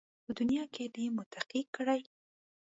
په دنیا کې دې متقي کړي